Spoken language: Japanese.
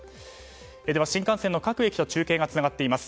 では、新幹線の各駅と中継がつながっています。